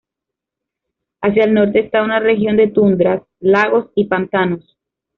Hacia el norte está una región de tundra, lagos y pantanos.